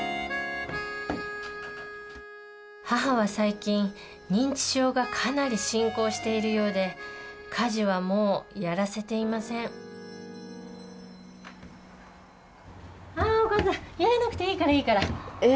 母は最近認知症がかなり進行しているようで家事はもうやらせていませんあお母さんやらなくていいからいいから。え。